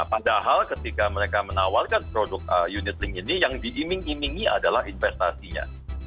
padahal ketika mereka menawarkan produk unitlink ini yang diiming imingi adalah investasinya